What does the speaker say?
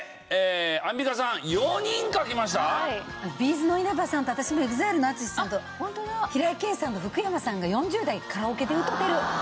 ’ｚの稲葉さんと私もＥＸＩＬＥのＡＴＳＵＳＨＩさんと平井堅さんと福山さんが４０代カラオケで歌うてる。